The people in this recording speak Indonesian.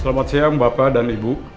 selamat siang bapak dan ibu